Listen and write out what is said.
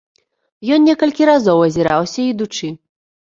Ён некалькі разоў азіраўся ідучы.